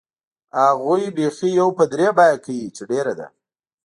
هغوی بیخي یو په درې بیه کوي چې ډېره ده.